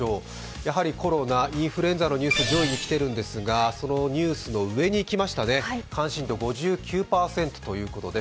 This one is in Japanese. やはりコロナ、インフルエンザのニュース、上位に来てるんですがそのニュースの上にきましたね、関心度５９％ということです。